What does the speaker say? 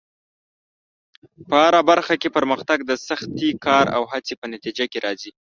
په هره برخه کې پرمختګ د سختې کار او هڅې په نتیجه کې راځي.